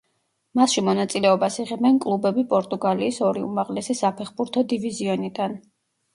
მასში მონაწილეობას იღებენ კლუბები პორტუგალიის ორი უმაღლესი საფეხბურთო დივიზიონიდან.